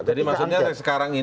jadi maksudnya dari sekarang ini ya